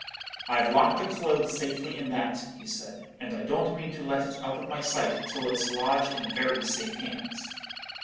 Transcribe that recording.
"'I've locked the clothes safely in that,' he said; 'and I don't mean to let it out of my sight till it's lodged in very safe hands.